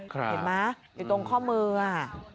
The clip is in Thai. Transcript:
ครับเห็นไหมอยู่ตรงข้อมืออ่ะอืม